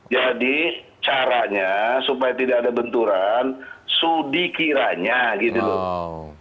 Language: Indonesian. jadi caranya supaya tidak ada benturan sudikiranya gitu loh